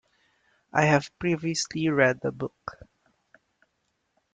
I have previously read the book.